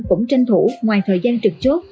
cũng tranh thủ ngoài thời gian trực chốt